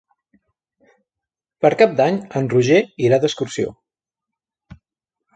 Per Cap d'Any en Roger irà d'excursió.